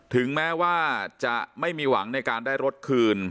ถึงแม้ว่าจะไม่มีหวังในการได้รถคืน